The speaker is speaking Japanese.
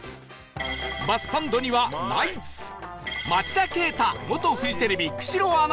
バスサンドにはナイツ町田啓太元フジテレビ久代アナ